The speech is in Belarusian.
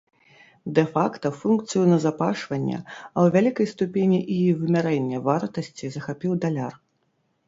Дэ-факта функцыю назапашвання, а ў вялікай ступені і вымярэння вартасці захапіў даляр.